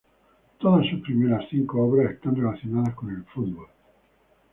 Todas sus primeras cinco obras están relacionadas con el fútbol.